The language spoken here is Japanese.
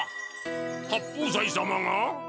八方斎様が？